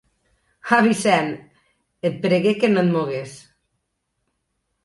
Ah, Vicent! Et pregue que no et mogues.